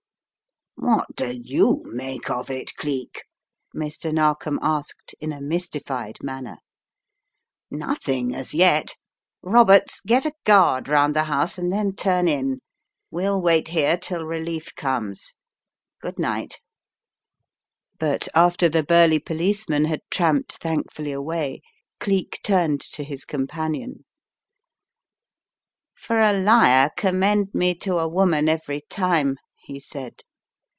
"What do you make of it, Cleek?" Mr. Narkom asked, in a mystified manner. "Nothing as yet. Roberts, get a guard round the house, and then turn in. We'll wait here till relief comes. Good night." 136 The Riddle of the Purple Emperor But after the burly policeman had tramped thank fully away, Cleek turned to his companion. "For a liar, commend me to a woman every time/* he said.